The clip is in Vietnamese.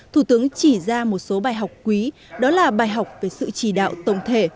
thủ tướng chỉ ra một số bài học quý đó là bài học về sự chỉ đạo tổng thể